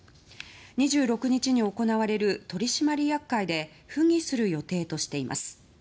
２６日に行われる取締役会で付議する予定としています。